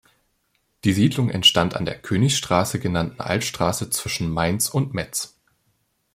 Die Siedlung entstand an der "Königstraße" genannten Altstraße zwischen Mainz und Metz.